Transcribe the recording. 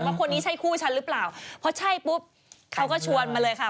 คนนี้ใช่คู่ฉันหรือเปล่าเพราะใช่ปุ๊บเขาก็ชวนมาเลยค่ะ